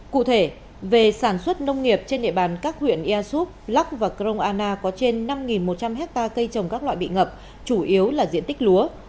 cụ thể về sản xuất nông nghiệp trên địa bàn các huyện ia súp lắk và crong ana có trên năm một trăm linh hectare cây trồng các loại bị ngập chủ yếu là diện tích lúa